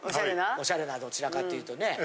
オシャレなどちらかっていうとね。